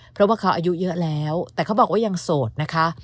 เพราะว่าเขาอายุเยอะแล้วแต่เขาบอกว่ายังโสดนะคะ